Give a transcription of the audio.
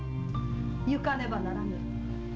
行かねばならぬ。